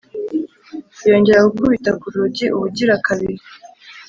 yongera gukubita ku rugi ubugira kabiri;